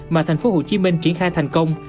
mà tp hcm triển khai thành công